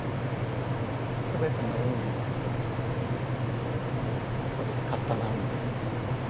全ての運をここで使ったなみたいな。